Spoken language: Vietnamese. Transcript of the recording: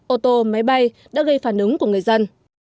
ô tô máy bay đã gây phản ứng của người dân